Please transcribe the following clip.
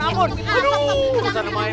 aduh susah namaim